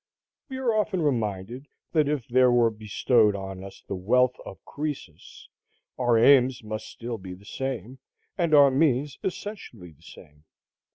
We are often reminded that if there were bestowed on us the wealth of Crœsus, our aims must still be the same, and our means essentially the same.